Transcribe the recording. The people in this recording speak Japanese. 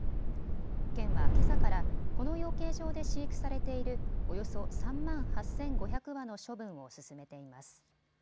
県はけさから、この養鶏場で飼育されている、およそ３万８５００羽の処分を進めています。